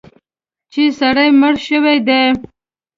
چې سړی مړ شوی دی.